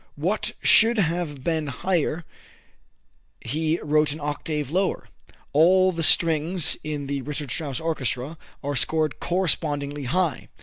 What should have been higher he wrote an octave lower. All the strings in the Richard Strauss orchestra are scored correspondingly high.